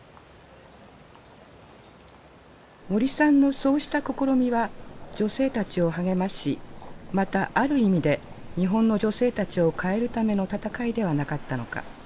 森さんのそうした試みは女性たちを励ましまたある意味で日本の女性たちを変えるための闘いではなかったのか。